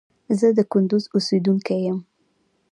زه د کندوز اوسیدونکي یم